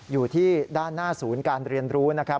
อยู่ที่ด้านหน้าศูนย์การเรียนรู้นะครับ